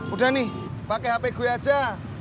udah nih pakai hp gue aja